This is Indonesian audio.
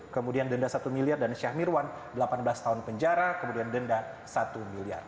kemudian denda satu miliar dan syah mirwan delapan belas tahun penjara kemudian denda satu miliar